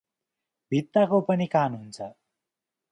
भित्ताको पनि कान हुन्छ